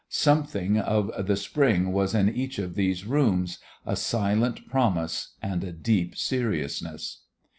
Something of the Spring was in each of these rooms, a silent promise and a deep seriousness.